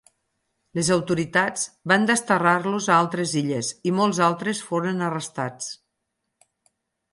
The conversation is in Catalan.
Les autoritats van desterrar-los a altres illes, i molts altres foren arrestats.